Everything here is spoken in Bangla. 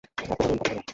অপহরণ - অপহরণ।